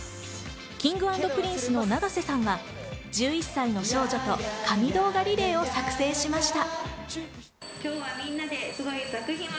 Ｋｉｎｇ＆Ｐｒｉｎｃｅの永瀬さんは１１歳の少女と神動画リレーを作成しました。